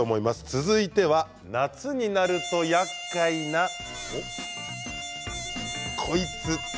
続いては夏になるとやっかいなこいつ。